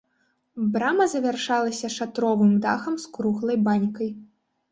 Брама завяршалася шатровым дахам з круглай банькай.